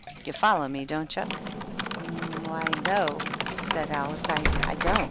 You follow me, don't you?" "Why, no," said Alice, "I don't.